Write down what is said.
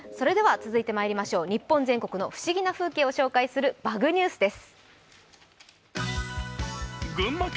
日本全国の不思議な風景を紹介する「バグニュース」です。